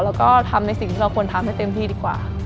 แล้วก็ทำในสิ่งที่เราควรทำให้เต็มที่ดีกว่า